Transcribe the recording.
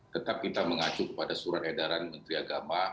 tetap kita mengacu kepada surat edaran menteri agama